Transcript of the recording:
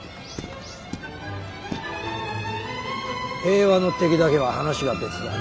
平和の敵だけは話が別だ。